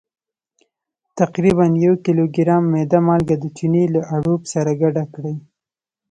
تقریبا یو کیلوګرام میده مالګه د چونې له اړوب سره ګډه کړئ.